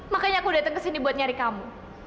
makanya aku datang kesini buat nyari kamu